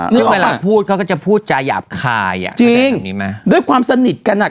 ซึ่งเวลาพูดเขาก็จะพูดจาหยาบคายอ่ะจริงด้วยความสนิทกันอ่ะ